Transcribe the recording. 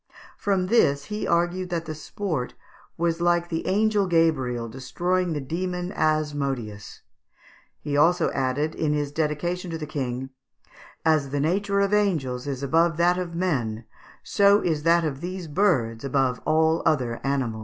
From this he argued that the sport was like the angel Gabriel destroying the demon Asmodeus. He also added, in his dedication to the King, "As the nature of angels is above that of men, so is that of these birds above all other animals."